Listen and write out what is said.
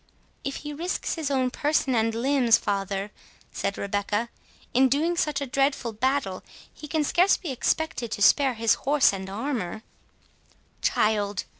"If he risks his own person and limbs, father," said Rebecca, "in doing such a dreadful battle, he can scarce be expected to spare his horse and armour." "Child!"